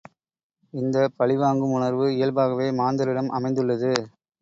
இந்தப் பழிவாங்கும் உணர்வு இயல்பாகவே மாந்தரிடம் அமைந்துள்ளது.